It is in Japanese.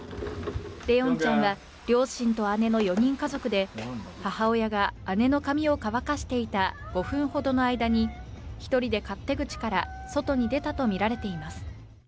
怜音ちゃんは両親と姉の４人家族で母親が姉の髪を乾かしていた５分ほどの間に１人で勝手口から外に出たとみられています。